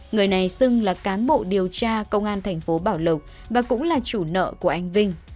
người này xưng là cán bộ điều tra công an thành phố bảo lộc và cũng là chủ nợ của anh vinh